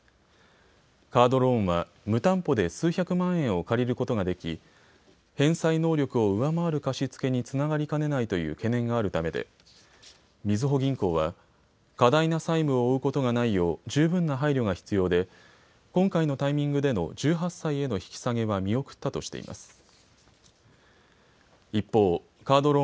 カードローンは無担保で数百万円を借りることができ返済能力を上回る貸し付けにつながりかねないという懸念があるためで、みずほ銀行は過大な債務を負うことがないよう十分な配慮が必要で今回のタイミングでの１８歳への引き下げは見送ったとしています。